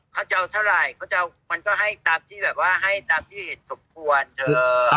เขาจะเอาเท่าไหร่เขาจะเอามันก็ให้ตามที่แบบว่าให้ตามที่เห็นสมควรเธอ